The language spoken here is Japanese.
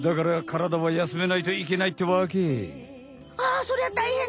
そりゃたいへんだ！